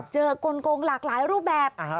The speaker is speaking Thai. กลงหลากหลายรูปแบบ